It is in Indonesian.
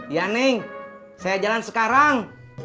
ya neng saya jalan sekarang